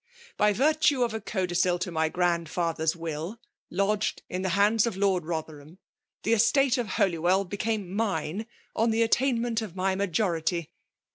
By virtue of a codicil to my grandfather's will, lodged in the hands of Lord Rotherham, the estate of Holywell be came mine on the attainment of my majority.